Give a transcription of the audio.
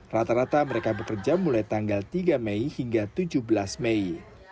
rata rata mereka bekerja mulai tanggal tiga mei hingga tujuh belas mei